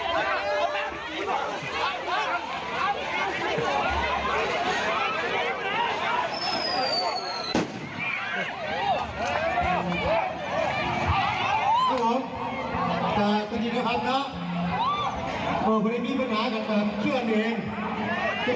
กระตุ่มแต่ตอนนี้น้ำพันนะโดยมีปัญหากันมามาเชื่อเดียวเอง